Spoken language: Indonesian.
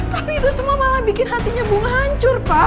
tapi itu semua malah bikin hatinya bunga hancur pa